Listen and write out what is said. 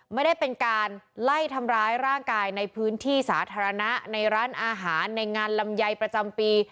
ไม่ได้เป็นการไล่ทำร้ายร่างกายในพื้นที่สาธารณะในร้านอาหารในงานลำไยประจำปี